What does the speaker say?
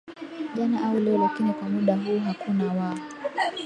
jana au leo lakini kwa muda huu hakuna wa